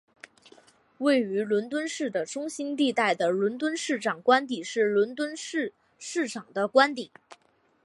位于伦敦市的中心地带的伦敦市长官邸是伦敦市市长的官邸。